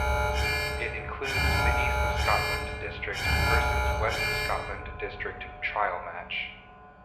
It includes the East of Scotland District versus West of Scotland District trial match.